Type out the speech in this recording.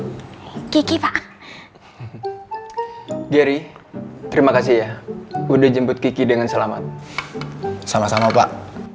hai gigi pak jerry terima kasih ya udah jemput gigi dengan selamat sama sama pak